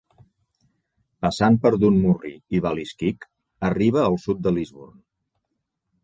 Passant per Dunmurry i Ballyskeagh, arriba al sud de Lisburn.